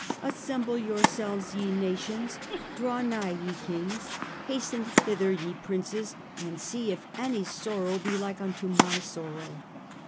" Assemble yourselves, ye nations ; draw nigh, ye kings ; hasten hither, ye princes, and see if any sorrow be like unto my sorrow